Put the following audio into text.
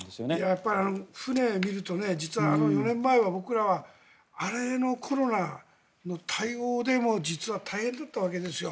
やはり船を見ると実は４年前は僕らは、あれのコロナの対応で実は大変だったわけですよ。